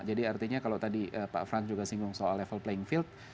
jadi artinya kalau tadi pak frans juga singgung soal level playing field